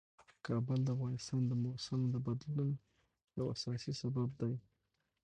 کابل د افغانستان د موسم د بدلون یو اساسي سبب دی.